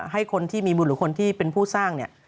ให้คนที่มีบุญหรือคนที่เป็นผู้สร้างเนี่ย